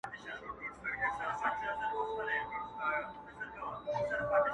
وایه شیخه وایه چي توبه که پیاله ماته کړم,